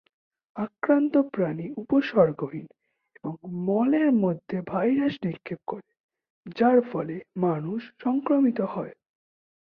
আক্রান্ত প্রাণী উপসর্গহীন এবং মলের মধ্যে ভাইরাস নিক্ষেপ করে, যার ফলে মানুষ সংক্রামিত হয়।